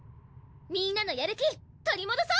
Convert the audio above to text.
みんなのやる気取りもどそう！